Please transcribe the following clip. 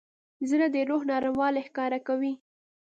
زړه د روح نرموالی ښکاره کوي.